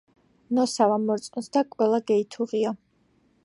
ნოსა ვამორწონს და კველა გეითუღია